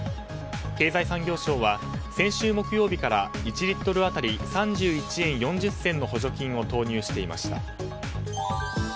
経済産業省は、先週木曜日から１リットル当たり３１円４０銭の補助金を投入していました。